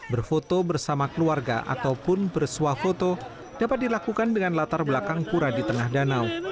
berfoto bersama keluarga ataupun bersuah foto dapat dilakukan dengan latar belakang pura di tengah danau